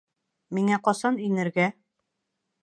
Миңә ҡасан инергә?